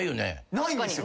ないんですよ。